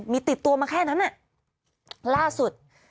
มีติดตัวมาแค่นั้นล่าสุด